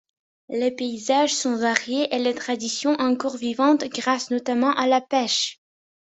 Les paysages sont variés et les traditions encore vivantes grâce notamment à la pêche.